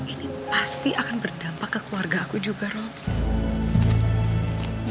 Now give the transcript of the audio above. ini pasti akan berdampak ke keluarga aku juga rob